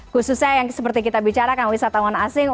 khususnya yang seperti kita bicarakan wisatawan asing